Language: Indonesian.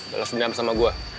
balas dendam sama gue